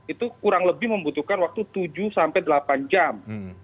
itu kurang lebih membutuhkan waktu tujuh sampai delapan jam